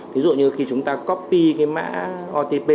thí dụ như khi chúng ta copy mã otp này